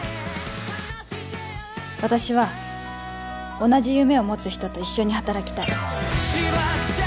私は同じ夢を持つ人と一緒に働きたい